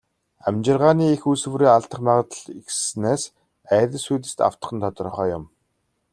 Амьжиргааны эх үүсвэрээ алдах магадлал ихэссэнээс айдас хүйдэст автах нь тодорхой юм.